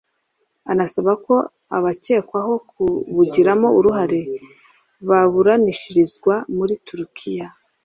anasaba ko abakekwaho kubugiramo uruhare baburanishirizwa muri Turikiya